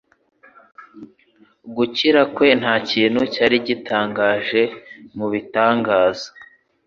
Gukira kwe ntakintu cyari gitangaje mubitangaza.